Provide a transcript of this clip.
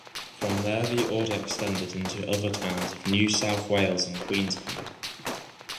From there the order extended into other towns of New South Wales and Queensland.